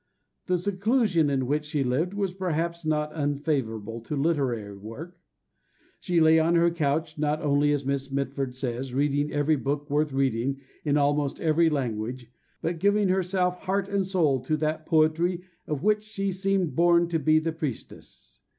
The seclusion in which she lived was perhaps not unfavourable to literary work. She lay on her couch, not only, as Miss Mitford says, reading every book worth reading in almost every language, but "giving herself heart and soul to that poetry of which she seemed born to be the priestess."